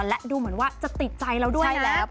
และดูเหมือนว่าจะติดใจเราด้วยแล้ว